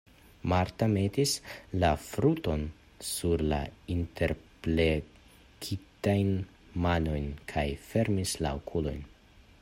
Marta metis la frunton sur la interplektitajn manojn kaj fermis la okulojn.